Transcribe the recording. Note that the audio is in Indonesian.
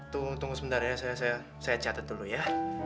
tunggu tunggu sebentar ya saya catat dulu ya